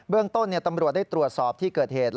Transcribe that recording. เรื่องต้นตำรวจได้ตรวจสอบที่เกิดเหตุ